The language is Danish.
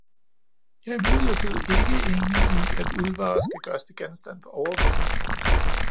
Jeg er imidlertid ikke enig i, at uldvarer skal gøres til genstand for overvågning.